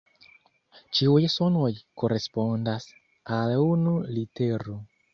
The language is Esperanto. Ĉiuj sonoj korespondas al unu litero.